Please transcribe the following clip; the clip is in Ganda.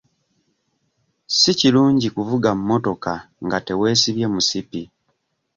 Si kirungi kuvuga mmotoka nga teweesibye musipi.